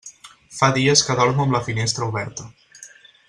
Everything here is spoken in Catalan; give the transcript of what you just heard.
Fa dies que dormo amb la finestra oberta.